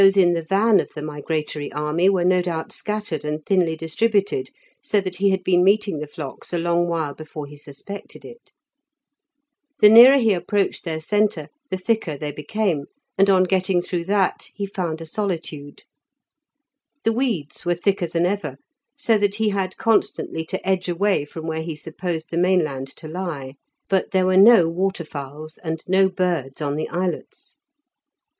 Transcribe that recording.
Those in the van of the migratory army were no doubt scattered and thinly distributed, so that he had been meeting the flocks a long while before he suspected it. The nearer he approached their centre the thicker they became, and on getting through that he found a solitude. The weeds were thicker than ever, so that he had constantly to edge away from where he supposed the mainland to lie. But there were no waterfowls and no birds on the islets.